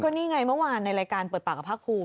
นี่ไงเมื่อวานในรายการเปิดปากกับภาคภูมิ